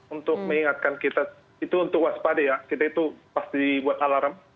untuk mengingatkan kita itu untuk waspada ya kita itu pas dibuat alarm